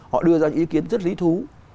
họ đưa ra những ý kiến rất lý thú